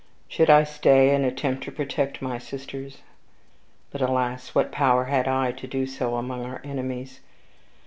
Should I stay and attempt to protect my sisters? But, alas! what power had I to do so among our enemies?